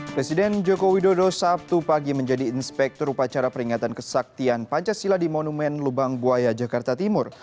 presiden joko widodo sabtu pagi menjadi inspektur upacara peringatan kesaktian pancasila di monumen lubang buaya jakarta timur